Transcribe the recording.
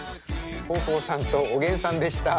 豊豊さんとおげんさんでした。